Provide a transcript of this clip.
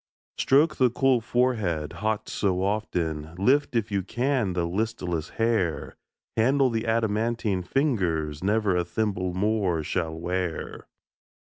Stroke the cool forehead, hot so often, Lift, if you can, the listless hair; Handle the adamantine fingers Never a thimble more shall wear.